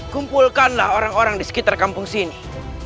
kumpulkanlah orang orang di sekitar kampung sini